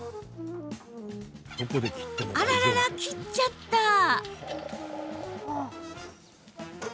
あらら切っちゃった！